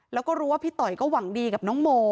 แล้วก็รู้ว่าพี่ต่อยก็หวังดีกับน้องโม